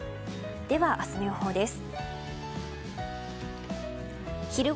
では、明日の予報です。